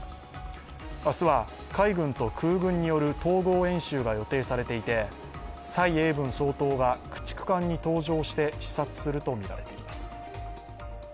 明日は海軍と空軍による統合演習が予定されていて、蔡英文総統が駆逐艦に搭乗して視察するとみられています。